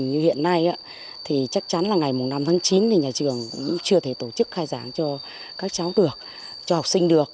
như hiện nay thì chắc chắn là ngày năm tháng chín thì nhà trường cũng chưa thể tổ chức khai giảng cho các cháu được cho học sinh được